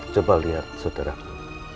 coba lihat saudaraku